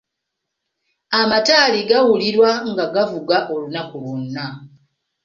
Amataali gaawulirwa nga gavuga olunaku lwonna.